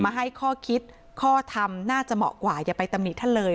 ให้ข้อคิดข้อทำน่าจะเหมาะกว่าอย่าไปตำหนิท่านเลย